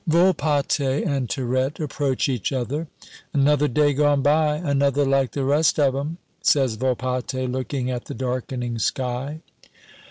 Volpatte and Tirette approach each other. "Another day gone by, another like the rest of 'em," says Volpatte, looking at the darkening sky.